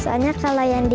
soalnya kalau yang di